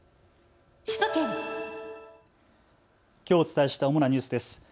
きょうお伝えした主なニュースです。